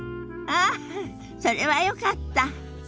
ああそれはよかった。